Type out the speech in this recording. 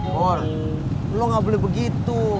wow lo gak boleh begitu